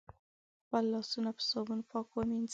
خپل لاسونه په صابون پاک ومېنځی